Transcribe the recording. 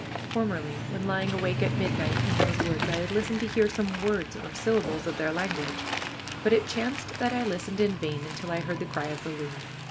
Formerly, when lying awake at midnight in those woods, I had listened to hear some words or syllables of their language, but it chanced that I listened in vain until I heard the cry of the loon.